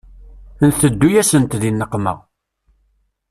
Nteddu-yasent di nneqma.